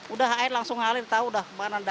udah air langsung ngalir tahu dah